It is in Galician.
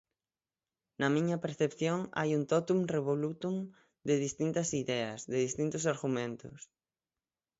Na miña percepción hai un tótum revolutum de distintas ideas, de distintos argumentos.